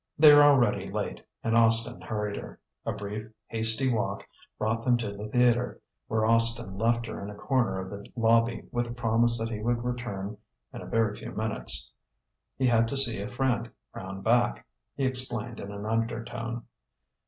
They were already late, and Austin hurried her. A brief, hasty walk brought them to the theatre, where Austin left her in a corner of the lobby with the promise that he would return in a very few minutes: he had to see a friend "round back," he explained in an undertone.